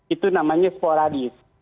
itu namanya sporadis